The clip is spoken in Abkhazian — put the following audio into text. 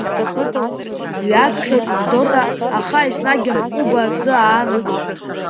Дҩаҵҟьеит Ездора, аха еснагь амҟәыба аӡы аанагом!